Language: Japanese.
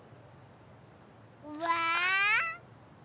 うわ